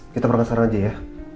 kita berangkat sekarang aja ya